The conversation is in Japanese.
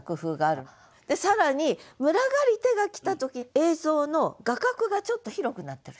で更に「群がりて」が来た時映像の画角がちょっと広くなってる。